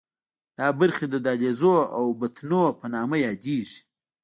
دا برخې د دهلیزونو او بطنونو په نامه یادېږي.